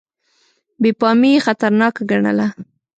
بې پامي یې خطرناکه ګڼله.